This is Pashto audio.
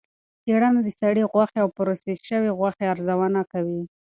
څېړنه د سرې غوښې او پروسس شوې غوښې ارزونه کوي.